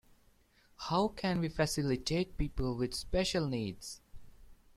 How can we facilitate people with special needs?